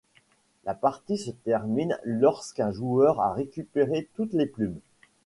La partie se termine lorsqu'un joueur a récupéré toutes les plumes.